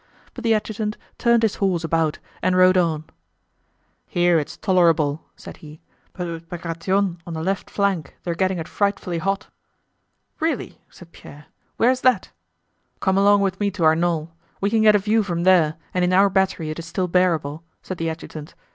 But the adjutant turned his horse about and rode on. "Here it's tolerable," said he, "but with Bagratión on the left flank they're getting it frightfully hot." "Really?" said Pierre. "Where is that?" "Come along with me to our knoll. We can get a view from there and in our battery it is still bearable," said the adjutant.